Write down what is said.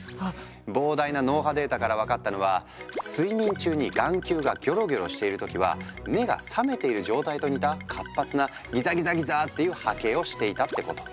膨大な脳波データから分かったのは睡眠中に眼球がギョロギョロしている時は目が覚めている状態と似た活発なギザギザギザーっていう波形をしていたってこと。